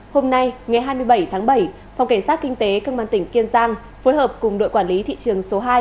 hôm nay ngày hai mươi bảy tháng bảy phòng cảnh sát kinh tế công an tỉnh kiên giang phối hợp cùng đội quản lý thị trường số hai